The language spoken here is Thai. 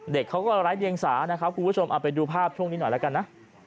เด็กเขาก็ไร้เดียงสานะครับคุณผู้ชมเอาไปดูภาพช่วงนี้หน่อยแล้วกันนะ